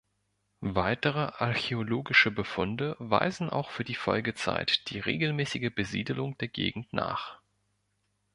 Weitere archäologische Befunde weisen auch für die Folgezeit die regelmäßige Besiedelung der Gegend nach.